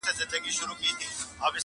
په سره سالو کي ګرځېدې مین دي کړمه-